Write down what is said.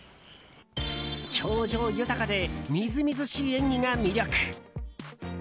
表情豊かでみずみずしい演技が魅力。